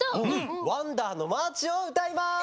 「ワンダーのマーチ」をうたいます！